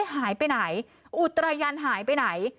หายไปไหนอุตรายันหายไปไหน